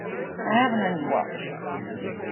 I haven't any watch.